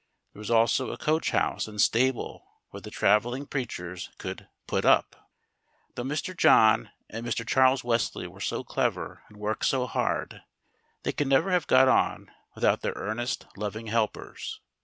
There was also a coach house and stable where the travelling preachers could "put up." Though Mr. John and Mr. Charles Wesley were so clever and worked so hard, they could never have got on without their earnest, loving helpers.